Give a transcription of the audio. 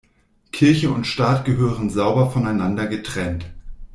Kirche und Staat gehören sauber voneinander getrennt.